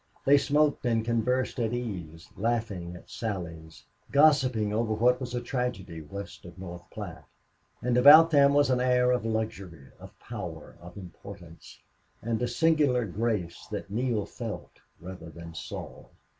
They smoked and conversed at ease, laughing at sallies, gossiping over what was a tragedy west of North Platte; and about them was an air of luxury, of power, of importance, and a singular grace that Neale felt rather than saw.